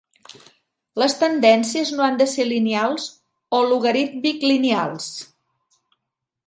Les tendències no han de ser lineals o logarítmic-lineals.